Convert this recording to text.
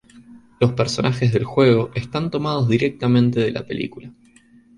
Los personajes del juego están tomados directamente de la película.